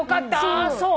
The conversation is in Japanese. ああそう。